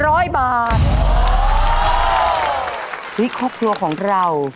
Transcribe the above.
ครอบครัวของเรา